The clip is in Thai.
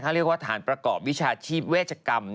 เรียกว่าฐานประกอบวิชาชีพเวชกรรม